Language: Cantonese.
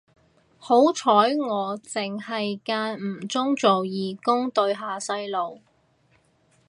好彩我剩係間唔中做義工對下細路